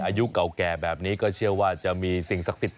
อายุเก่าแก่แบบนี้ก็เชื่อว่าจะมีสิ่งสถิต